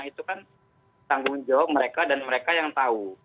itu kan tanggung jawab mereka dan mereka yang tahu